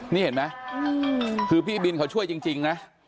นี่เห็นไหมคือพี่บินเขาช่วยจริงนะ